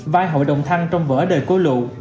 vai hội đồng thăng trong vở đời cô lụ